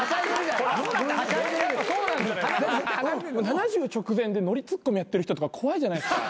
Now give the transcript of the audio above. ７０直前でノリツッコミやってる人とか怖いじゃないですか。